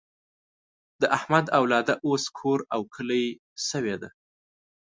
د احمد اولاده اوس کور او کلی شوې ده.